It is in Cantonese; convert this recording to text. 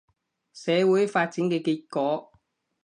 社會發展嘅結果